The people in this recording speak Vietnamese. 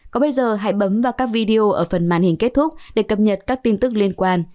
còn bây giờ hãy bấm vào các video ở phần màn hình kết thúc để cập nhật các tin tức liên quan